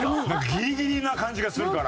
ギリギリな感じがするから。